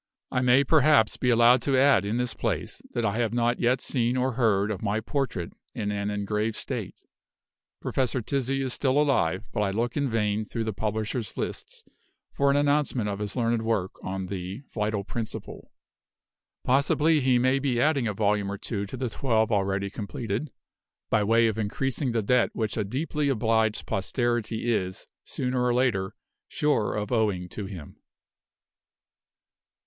I may perhaps be allowed to add in this place, that I have not yet seen or heard of my portrait in an engraved state. Professor Tizzi is still alive; but I look in vain through the publishers' lists for an announcement of his learned work on the Vital Principle. Possibly he may be adding a volume or two to the twelve already completed, by way of increasing the debt which a deeply obliged posterity is, sooner or later, sure of owing to him.